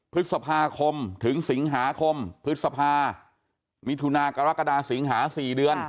พฤษภาคมถึงสิงหาคมพฤษภามิถุนากรกฎาสิงหา๔เดือน